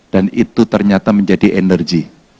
dan itu ternyata menjadi energi